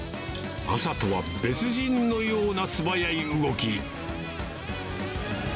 朝とは別人のような素早い動き。